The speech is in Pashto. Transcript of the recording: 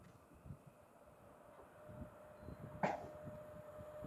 د دې جرم همدا دی چې خدای يې نجلې پيدا کړې.